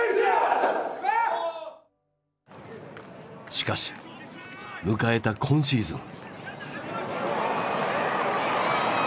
しかし迎えた今シーズン。